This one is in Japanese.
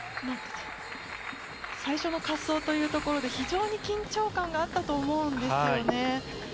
最初の滑走というところで非常に緊張感があったと思います。